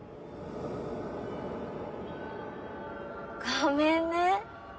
ごめんね。